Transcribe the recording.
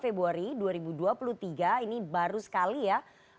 februari dua ribu dua puluh tiga ini baru sekali ya